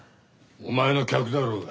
お前の客だろうが。